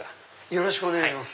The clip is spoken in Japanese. よろしくお願いします。